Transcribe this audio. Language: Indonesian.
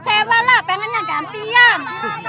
kecewa lah pengennya gantian